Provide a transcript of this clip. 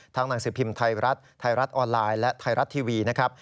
หนังสือพิมพ์ไทยรัฐไทยรัฐออนไลน์และไทยรัฐทีวีนะครับ